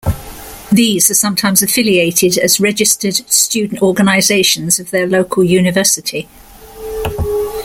These are sometimes affiliated as registered student organizations of their local university.